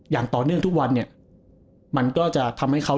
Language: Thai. อย่างต่อเนื่องทุกวันเนี่ยมันก็จะทำให้เขา